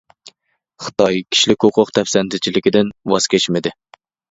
خىتاي كىشىلىك ھوقۇق دەپسەندىچىلىكىدىن ۋاز كەچمىدى.